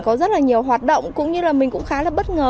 có rất là nhiều hoạt động cũng như là mình cũng khá là bất ngờ